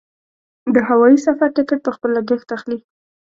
د هوايي سفر ټکټ په خپل لګښت اخلي.